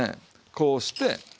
こうして。